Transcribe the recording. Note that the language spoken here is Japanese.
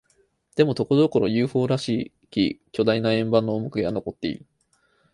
でも、ところどころ、ＵＦＯ らしき巨大な円盤の面影は残っている。